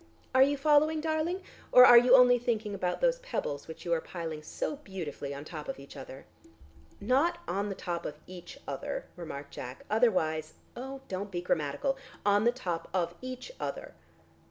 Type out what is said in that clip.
Are you following, darling, or are you only thinking about those pebbles which you are piling so beautifully on the top of each other?" "Not on the top of each other," remarked Jack. "Otherwise " "Oh, don't be grammatical. On the top of each other."